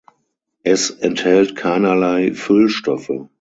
Es enthält keinerlei Füllstoffe.